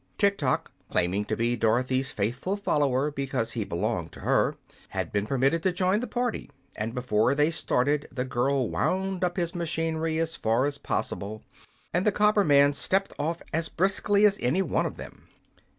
Tiktok, claiming to be Dorothy's faithful follower because he belonged to her, had been permitted to join the party, and before they started the girl wound up his machinery as far as possible, and the copper man stepped off as briskly as any one of them.